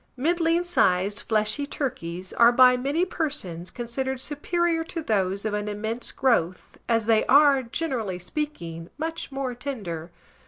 Middling sized fleshy turkeys are by many persons considered superior to those of an immense growth, as they are, generally speaking, much more tender.